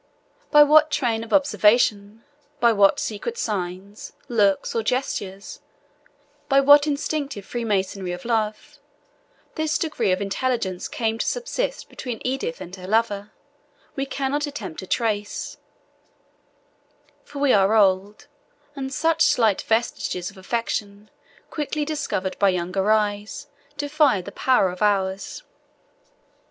By what train of observation by what secret signs, looks, or gestures by what instinctive freemasonry of love, this degree of intelligence came to subsist between Edith and her lover, we cannot attempt to trace; for we are old, and such slight vestiges of affection, quickly discovered by younger eyes, defy the power of ours.